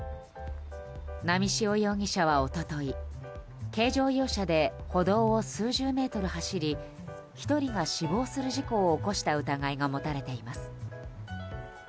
波汐容疑者は一昨日軽乗用車で歩道を数十メートル走り１人が死亡する事故を起こした疑いが持たれています。